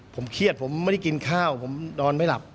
ผมเครียดผมไม่ได้กินข้าวผมนอนไม่หลับ